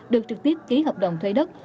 được trực tiếp ký hợp đồng thuê đất